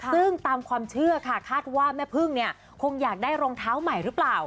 ซึ่งตามความเชื่อค่ะคาดว่าแม่พึ่งเนี่ยคงอยากได้รองเท้าใหม่หรือเปล่า